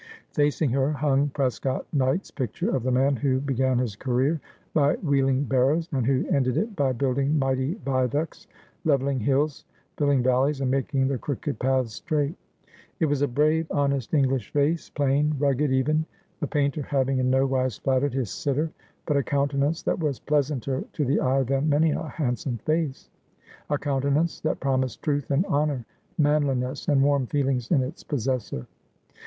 Facing her hung Prescott Knight's picture of the man who began his career by wheeling barrows, and who ended it by building mighty viaducts, levelling hills, lilHng valleys, making the crooked paths straight. It was a brave honest English face, plain, rugged even, the painter having in no wise flattered his sitter ; but a countenance that was pleasanter to the eye than many a handsome face. A countenance that promised truth and honour, maaliness and warm feelings in its possessor.